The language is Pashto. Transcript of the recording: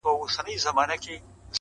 • لکه جنډۍ د شهید قبر د سر ,